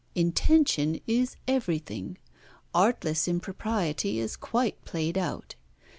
Intention is everything. Artless impropriety is quite played out.